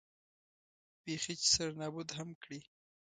بېخي چې سره نابود هم کړي.